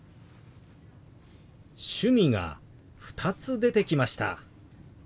「趣味」が２つ出てきました。